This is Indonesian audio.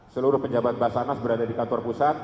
seluruh pejabat basarnas berada di kantor pusat